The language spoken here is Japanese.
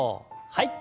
はい。